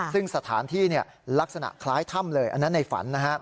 ซึ่งสถานที่ลักษณะคล้ายถ้ำเลยอันนั้นในฝัน